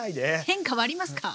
変化はありますか？